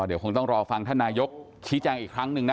เดี๋ยวคงต้องรอฟังท่านนายกชี้แจงอีกครั้งหนึ่งนะ